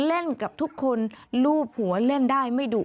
เล่นกับทุกคนลูบหัวเล่นได้ไม่ดุ